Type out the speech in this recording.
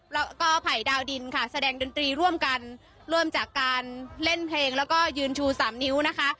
แล้วก็ไผ่ดาวดินค่ะแสดงดนตรีร่วมกันเริ่มจากการเล่นเพลงแล้วก็ยืนชูสามนิ้วนะคะ